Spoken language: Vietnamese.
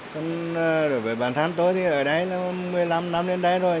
còn đối với bản thân tôi thì ở đây là một mươi năm năm lên đây rồi